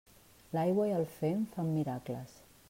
L'aigua i el fem fan miracles.